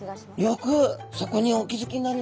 よくそこにお気付きになりました。